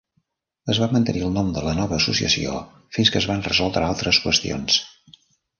Es va mantenir el nom de la nova associació fins que es van resoldre altres qüestions.